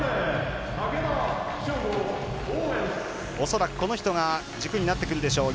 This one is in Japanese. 恐らくこの人が軸になってくるでしょう。